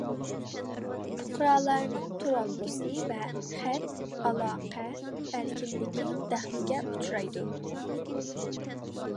پۇقرالارنىڭ تۇرالغۇسى ۋە خەت-ئالاقە ئەركىنلىكى دەخلىگە ئۇچرايدۇ.